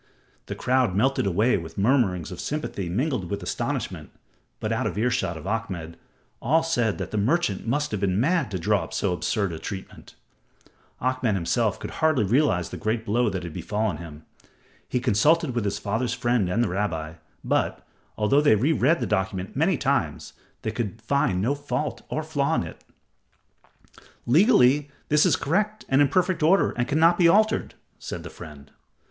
The crowd melted away with mutterings of sympathy mingled with astonishment, but out of earshot of Ahmed, all said the merchant must have been mad to draw up so absurd a testament. Ahmed himself could hardly realize the great blow that had befallen him. He consulted with his father's friend and the rabbi, but, although they re read the document many times, they could find no fault or flaw in it. "Legally, this is correct and in perfect order and cannot be altered," said the friend.